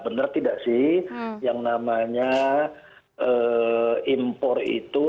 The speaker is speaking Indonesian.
benar tidak sih yang namanya impor itu